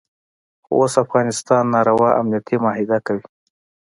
خو اوس افغانستان ناروا امنیتي معاهده کوي.